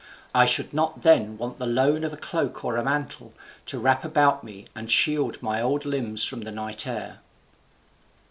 I should not then want the loan of a cloak or a mantle, to wrap about me and shield my old limbs from the night air."